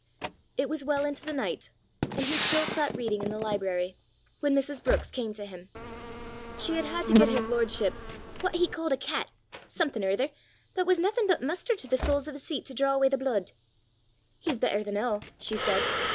It was well into the night, and he still sat reading in the library, when Mrs. Brookes came to him. She had had to get his lordship "what he ca'd a cat something or ither, but was naething but mustard to the soles o' 's feet to draw awa' the blude." "He's better the noo," she said.